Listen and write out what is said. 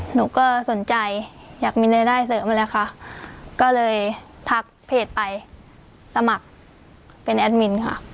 หนูก็สนใจอยากมีรายได้เสริมมาแล้วค่ะก็เลยทักเพจไปสมัครเป็นแอดมินค่ะ